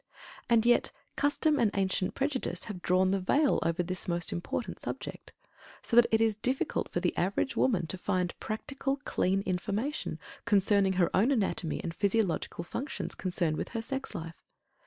And yet, custom and ancient prejudice have drawn the veil over this most important subject, so that it is difficult for the average woman to find practical, clean information concerning her own anatomy and physiological functions concerned with her sex life.